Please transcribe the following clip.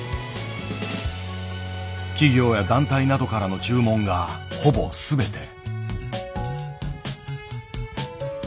企業や団体などからの注文がほぼ全て。